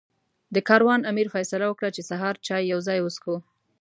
د کاروان امیر فیصله وکړه چې سهار چای یو ځای وڅښو.